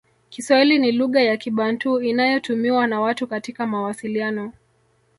Kiswahili ni lugha ya Kibantu inayotumiwa na watu katika mawasiliano